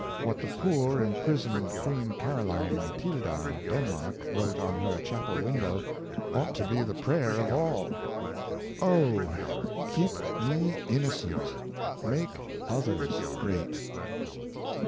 ^ What the poor imprisoned Queen Caro line Matilda, of Denmark, wrote on her chapel window ought to be the prayer of all —" Oh! keep me innocent! make others great."